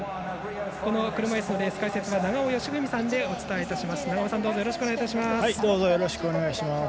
この車いすのレースの解説は永尾嘉章さんでお伝えします。